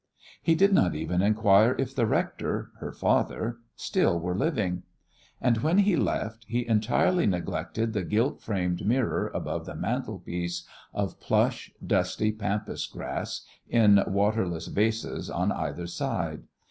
He did not even inquire if the rector her father still were living. And when he left he entirely neglected the gilt framed mirror above the mantelpiece of plush, dusty pampas grass in waterless vases on either side.